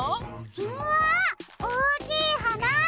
うわおおきいはな！